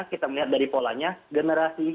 kita melihat dari polanya generasi